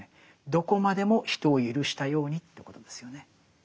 どこまでも人をゆるしたようにということですよね。